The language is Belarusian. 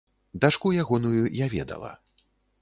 Дачку ягоную я ведала.